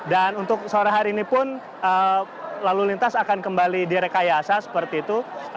dan untuk sehari hari ini pun lalu lintas akan kembali di rekayasa seperti itu